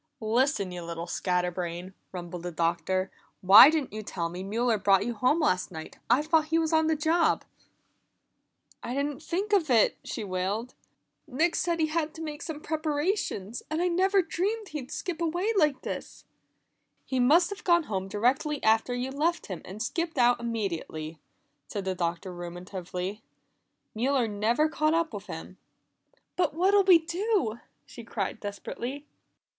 "Listen, you little scatter brain!" rumbled the Doctor. "Why didn't you tell me Mueller brought you home last night? I thought he was on the job." "I didn't think of it," she wailed. "Nick said he'd have to make some preparations, and I never dreamed he'd skip away like this." "He must have gone home directly after you left him, and skipped out immediately," said the Doctor ruminatively. "Mueller never caught up with him." "But what'll we do?" she cried desperately.